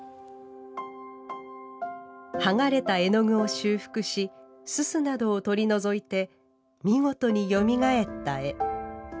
剥がれた絵の具を修復しすすなどを取り除いて見事によみがえった絵。